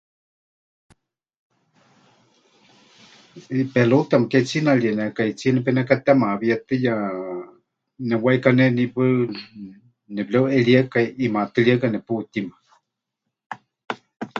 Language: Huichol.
Pelota mɨketsinarienekaitsíe nepenekatemawíetɨya, nemɨwaikaneni hepaɨ nepɨreuʼeríekai, ʼimaatɨrieka neputíma.